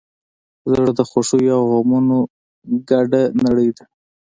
زړه د خوښیو او غمونو ګډه نړۍ ده.